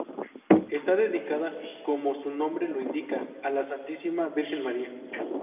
Esta dedicada como su nombre lo indica a la Santísima Virgen María.